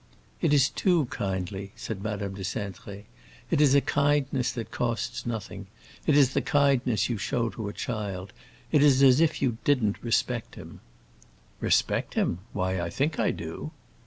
"It is too kindly," said Madame de Cintré. "It is a kindness that costs nothing; it is the kindness you show to a child. It is as if you didn't respect him." "Respect him? Why I think I do."